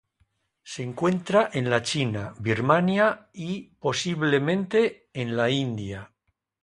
Se encuentra en la China, Birmania y, posiblemente, en la India.